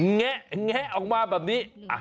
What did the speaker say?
แงะออกมาแบบนี้